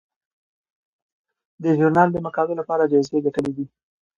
دې ژورنال د مقالو لپاره جایزې ګټلي دي.